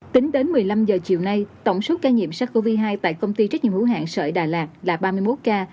tính đến một mươi năm h chiều nay tổng số ca nhiễm sars cov hai tại công ty trách nhiệm hữu hạng sợi đà lạt là ba mươi một ca